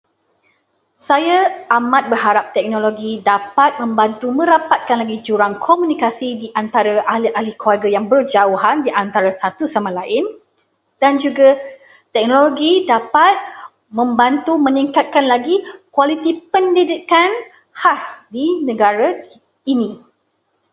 Saya amat berharap teknologi dapat membantu merapatkan lagi jurang komunikasi di antara ahli-ahli keluarga yang berjauhan di antara satu sama lain, dan juga teknologi dapat membantu meningkatkan lagi kualiti pendidikan khas di negara ki- ini.